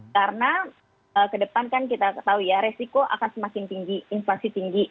karena ke depan kan kita tahu ya resiko akan semakin tinggi inflasi tinggi